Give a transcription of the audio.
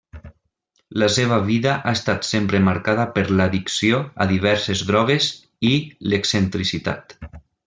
La seva vida ha estat sempre marcada per l'addicció a diverses drogues i l'excentricitat.